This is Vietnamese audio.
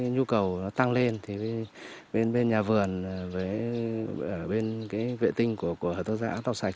nhu cầu tăng lên bên nhà vườn bên vệ tinh của hợp tác giảm tạo sạch